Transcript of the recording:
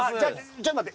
ちょっと待って。